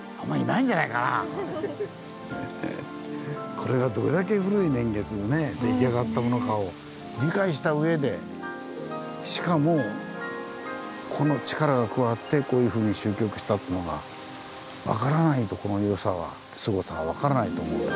これがどれだけ古い年月で出来上がったものかを理解した上でしかもこの力が加わってこういうふうに褶曲したっつうのが分からないとこの良さはすごさは分からないと思うんだ。